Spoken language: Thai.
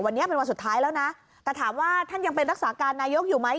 วันนี้เป็นวันสุดท้ายแล้วนะแต่ถามว่าท่านยังเป็นรักษาการนายกอยู่ไหม